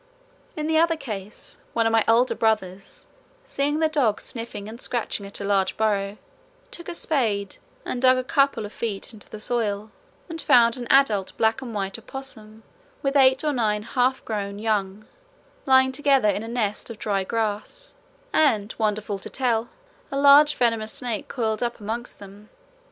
In the other case, one of my older brothers seeing the dogs sniffing and scratching at a large burrow, took a spade and dug a couple of feet into the soil and found an adult black and white opossum with eight or nine half grown young lying together in a nest of dry grass, and, wonderful to tell, a large venomous snake coiled up amongst them.